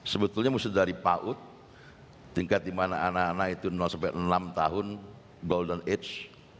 sebetulnya musti dari paud tingkat dimana anak anak itu enam tahun golden age